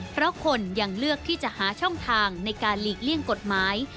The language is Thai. เพราะคนยังเลือกที่จะหาช่องทางในการหลีกเลี่ยงกฎหมาย